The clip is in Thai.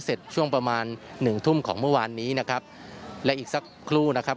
เสร็จช่วงประมาณหนึ่งทุ่มของเมื่อวานนี้นะครับและอีกสักครู่นะครับ